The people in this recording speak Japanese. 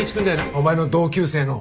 お前の同級生の。